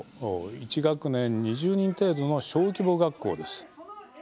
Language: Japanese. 一学年２０人程度の小規模学校です。